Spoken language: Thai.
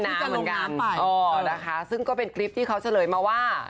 ที่จะลงน้ำไปอ๋อนะคะซึ่งก็เป็นคลิปที่เขาเฉลยมาว่า